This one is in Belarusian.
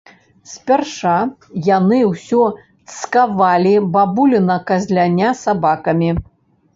Спярша яны ўсё цкавалі бабуліна казляня сабакамі.